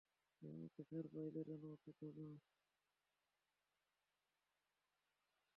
এবং একটি সারপ্রাইজ এর জন্য প্রস্তুত থাক।